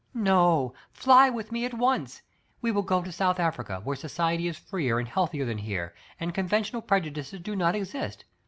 No, fly with me at once. We will go to South Africa, where society is freer and healthier than here, and conventional prejudices do not exist.